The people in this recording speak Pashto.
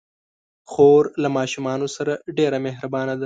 خور له ماشومانو سره ډېر مهربانه ده.